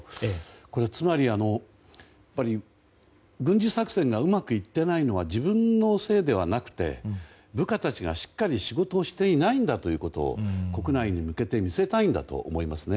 これはつまり、軍事作戦がうまくいっていないのは自分のせいではなくて部下たちが、しっかり仕事をしていないんだということを、国内に向けて見せたいんだと思いますね。